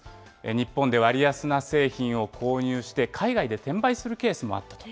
日本で割安な製品を購入して、海外で転売するケースもあったと。